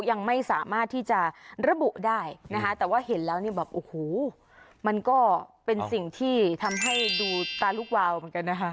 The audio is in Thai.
ยังไม่สามารถที่จะระบุได้นะคะแต่ว่าเห็นแล้วนี่แบบโอ้โหมันก็เป็นสิ่งที่ทำให้ดูตาลูกวาวเหมือนกันนะคะ